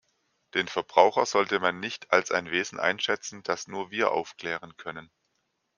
Den Verbraucher sollte man nicht als ein Wesen einschätzen, das nur wir aufklären können.